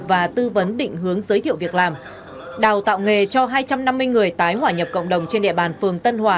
và tư vấn định hướng giới thiệu việc làm đào tạo nghề cho hai trăm năm mươi người tái hỏa nhập cộng đồng trên địa bàn phường tân hòa